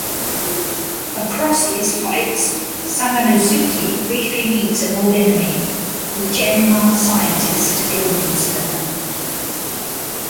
Across his fights, Samanosuke briefly meets an old enemy: The Genma scientist Guildenstern.